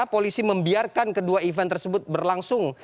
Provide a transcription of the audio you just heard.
polisi membiarkan kedua event tersebut berlangsung